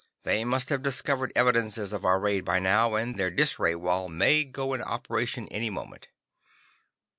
They must have discovered evidences of our raid by now, and their dis ray wall may go in operation any moment."